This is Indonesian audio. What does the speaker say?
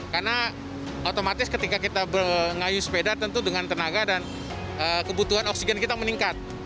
karena otomatis ketika kita mengayu sepeda tentu dengan tenaga dan kebutuhan oksigen kita meningkat